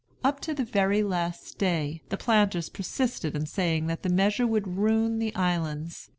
Up to the very last day, the planters persisted in saying that the measure would ruin the islands.